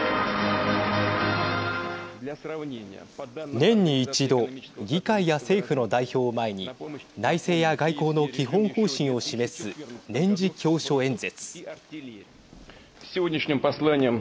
年に一度議会や政府の代表を前に内政や外交の基本方針を示す年次教書演説。